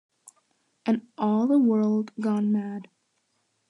And all the world gone mad.